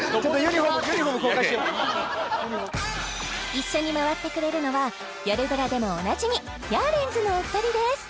一緒に回ってくれるのは「よるブラ」でもおなじみヤーレンズのお二人です